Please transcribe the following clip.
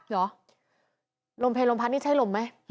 เหรอลมเพลลมพัดนี่ใช่ลมไหม